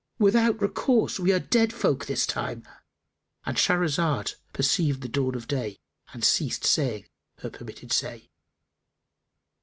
Without recourse we are dead folk this time."——And Shahrazad perceived the dawn of day and ceased saying her permitted say.